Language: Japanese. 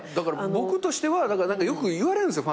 僕としてはよく言われるんですよ